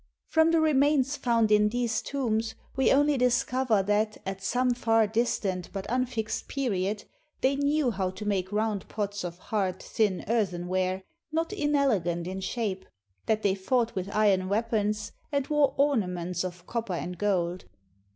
From the remains found in these tombs, we only discover that at some far distant but unfixed period, they knew how to make round pots of hard, thin earthenware, not inelegant in shape; that they fought with iron weapons, and wore ornaments of copper and gold.